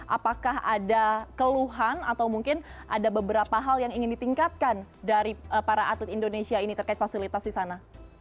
apakah ada keluhan atau mungkin ada beberapa hal yang ingin ditingkatkan dari para atlet indonesia ini terkait fasilitas di sana